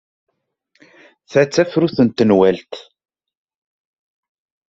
Ta d tafrut n tenwalt.